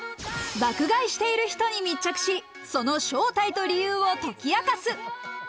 爆買いしている人に密着し、その正体と理由を解き明かす。